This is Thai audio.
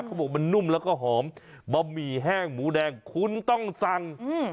เขาบอกมันนุ่มแล้วก็หอมบะหมี่แห้งหมูแดงคุณต้องสั่งอืม